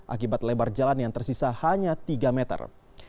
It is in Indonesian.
akibat lebar jalan yang tersisa hanya tiga meter